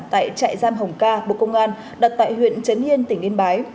tại trại giam hồng ca bộ công an đặt tại huyện trấn yên tỉnh yên bái